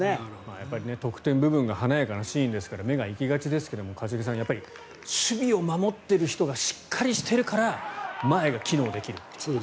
やっぱり得点部分が華やかなシーンですから目が行きがちですけども一茂さん、守備を守っている人がしっかりしているから前が機能できる。